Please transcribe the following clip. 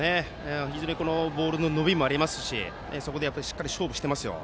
非常にボールの伸びもありますしそこでしっかり勝負してますよ。